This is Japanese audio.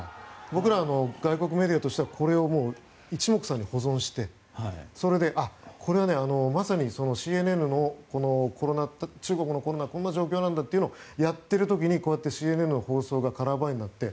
僕ら、外国メディアとしてはこれを保存して、それでこれはまさにＣＮＮの中国のコロナこんな状況なんだというのをやってるときにＣＮＮの放送がカラーバーになって。